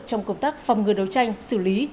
trong công tác phòng ngừa đấu tranh xử lý